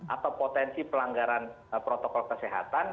atau potensi pelanggaran protokol kesehatan